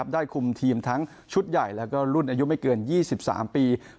คุมทีมทั้งชุดใหญ่แล้วก็รุ่นอายุไม่เกิน๒๓ปี